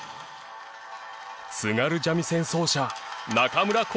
津軽三味線奏者中村滉